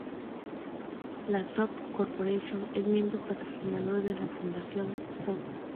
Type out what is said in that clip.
La Zope Corporation es miembro patrocinador de la fundación Zope.